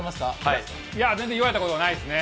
いや、全然言われたことないですね。